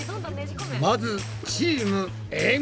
まずチームエん。